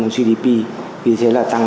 gdp vì thế là tăng